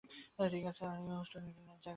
ঠিক আছে, আর হিউস্টন অ্যান্ড গ্রিনউইচ জায়গাটা?